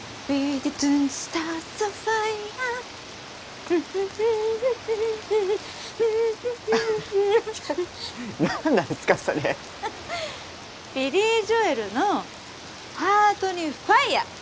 ビリー・ジョエルの『ハートにファイア』。